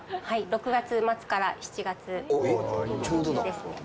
６月末から７月ですね。